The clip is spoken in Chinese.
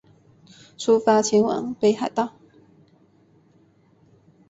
出发前往北海道